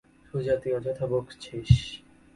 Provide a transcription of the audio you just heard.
সুজা, তুই অযথা বকছিস।